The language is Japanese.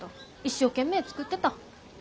一生懸命作ってた。